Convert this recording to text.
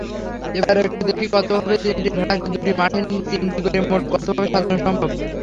এবার একটু দেখি কতভাবে তিনটি ভেড়াকে দুটি মাঠে তিনটি করে মোট কতভাবে সাজানো সম্ভব।